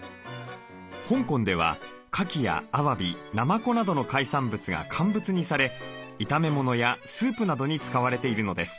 香港ではカキやアワビナマコなどの海産物が乾物にされ炒め物やスープなどに使われているのです。